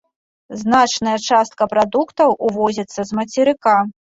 Значная частка прадуктаў увозіцца з мацерыка.